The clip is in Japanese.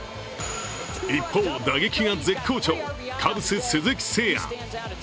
一方、打撃が絶好調、カブス・鈴木誠也。